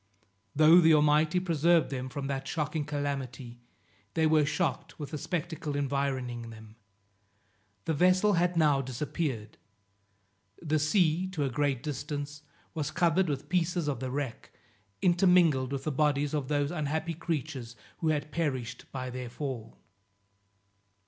Though the Almighty preserved them from that shocking calamity, they were shocked with the spectacle environing them. The vessel had now disappeared; the sea, to a great distance, was covered with pieces of the wreck, intermingled with the bodies of those unhappy creatures who had perished by their fall.